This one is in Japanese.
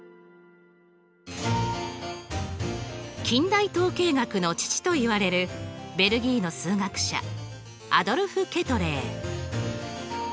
近代統計学の父といわれるベルギーの数学者アドルフ・ケトレー。